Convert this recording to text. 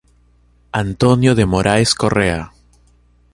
Antônio de Moraes Correa